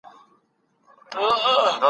مور او ورور پلان جوړوي او خبرې کوي پټه.